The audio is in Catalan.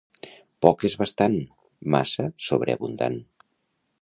Poc és bastant; massa, sobreabundant.